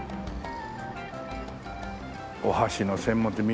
お箸の専門店。